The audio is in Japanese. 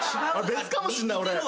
別かもしんない俺。